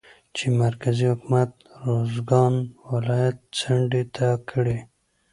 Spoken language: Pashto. چې مرکزي حکومت روزګان ولايت څنډې ته کړى